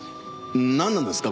なんなんですか？